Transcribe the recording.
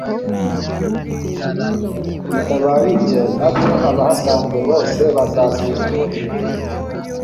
Bitabaye ibyo nabyo abahasanzwe bose bazasimburwa